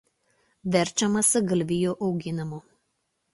Verčiamasi galvijų auginimu.